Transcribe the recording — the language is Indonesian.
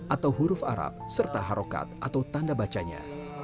atau huruf arab serta harokat atau tanda bacanya